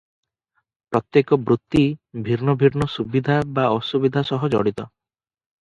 ପ୍ରତ୍ୟେକ ବୃତ୍ତି ଭିନ୍ନ ଭିନ୍ନ ସୁବିଧା ବା ଅସୁବିଧା ସହ ଜଡ଼ିତ ।